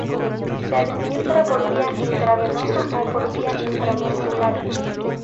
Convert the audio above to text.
Se administra por vía intravenosa o por vía intramuscular.